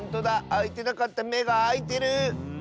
あいてなかっためがあいてる！